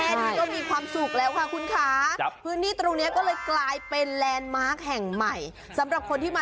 ท่านก็มีความสุขแล้วค่ะคุณค้า